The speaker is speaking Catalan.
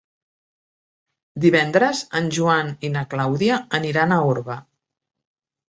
Divendres en Joan i na Clàudia aniran a Orba.